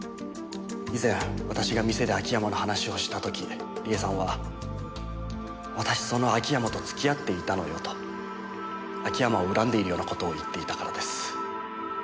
以前私が店で秋山の話をした時理恵さんは「私その秋山と付き合っていたのよ」と秋山を恨んでいるような事を言っていたからです。